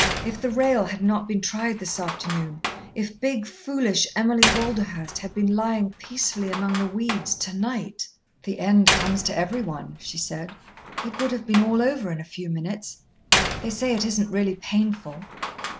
If the rail had not been tried this afternoon, if big, foolish Emily Walderhurst had been lying peacefully among the weeds to night! "The end comes to everyone," she said. "It would have been all over in a few minutes. They say it isn't really painful."